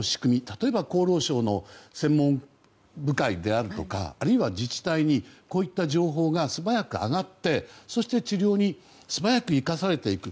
例えば厚労省の専門部会であるとかあるいは自治体にこういった情報が素早く上がってそして治療に素早く生かされていく